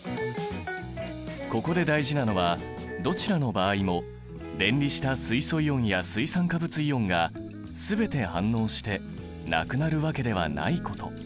ここで大事なのはどちらの場合も電離した水素イオンや水酸化物イオンが全て反応してなくなるわけではないこと。